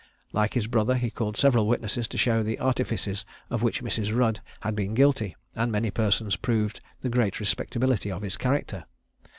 Like his brother, he called several witnesses to show the artifices of which Mrs. Rudd had been guilty; and many persons proved the great respectability of his character.